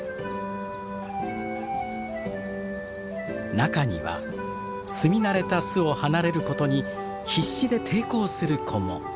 中には住み慣れた巣を離れることに必死で抵抗する子も。